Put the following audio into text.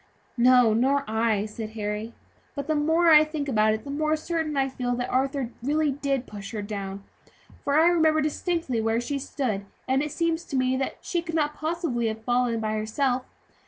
"No, nor I," said Harry; "but the more I think about it the more certain I feel that Arthur did really push her down; for now I remember distinctly where she stood, and it seems to me she could not possibly have fallen of herself.